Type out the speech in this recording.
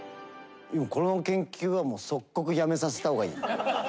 この研究は即刻やめさせたほうがいい。